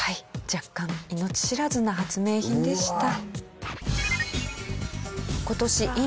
若干命知らずな発明品でした。